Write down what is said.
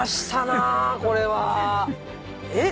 えっ？